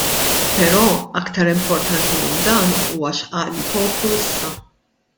Però aktar importanti minn dan huwa x'qal il-poplu issa.